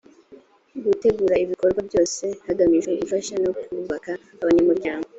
gutegura ibikorwa byose hagamijwe gufasha no kubaka abanyamuryango